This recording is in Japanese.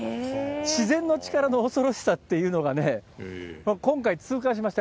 自然の力の恐ろしさっていうのがね、今回、痛感しました。